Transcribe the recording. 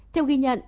theo ghi nhận